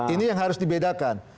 ini yang harus dibedakan